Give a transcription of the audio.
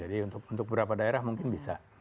jadi untuk berapa daerah mungkin bisa